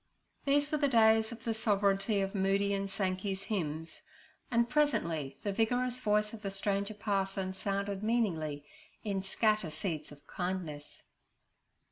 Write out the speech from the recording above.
These were the days of the sovereignty of Moody and Sankey's hymns, and presently the vigorous voice of the stranger parson sounded meaningly in 'Scatter Seeds of Kindness.'